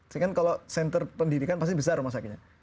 saya kan kalau center pendidikan pasti besar rumah sakinya